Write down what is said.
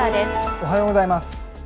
おはようございます。